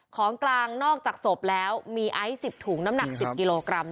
ของกลางนอกจากศพแล้วมีไอซ์๑๐ถุงน้ำหนัก๑๐กิโลกรัม